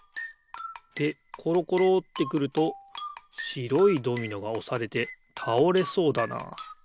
でころころってくるとしろいドミノがおされてたおれそうだなあ。